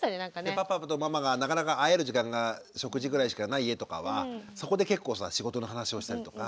パパとママがなかなか会える時間が食事ぐらいしかない家とかはそこで結構仕事の話をしたりとか「あそこどうする？